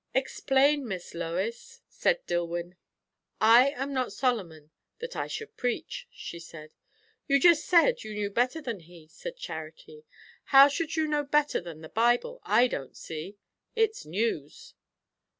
"Explain, Miss Lois!" said Dillwyn. "I am not Solomon, that I should preach," she said. "You just said you knew better than he," said Charity. "How you should know better than the Bible, I don't see. It's news."